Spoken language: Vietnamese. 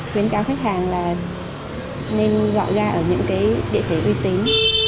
khuyến cáo khách hàng là nên gọi ra ở những địa chỉ uy tín